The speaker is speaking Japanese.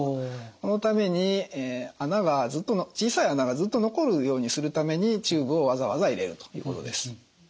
そのために小さい穴がずっと残るようにするためにチューブをわざわざ入れるということです。